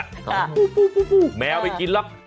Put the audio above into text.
พูแมวไปกินแล้ว